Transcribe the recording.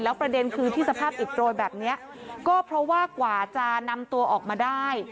ประเด็นคือที่สภาพอิดโรยแบบนี้ก็เพราะว่ากว่าจะนำตัวออกมาได้